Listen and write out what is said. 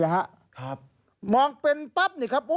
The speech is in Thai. หมองเป็นนิครับ